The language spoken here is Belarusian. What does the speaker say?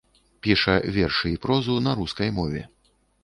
Піша вершы і прозу на рускай мове.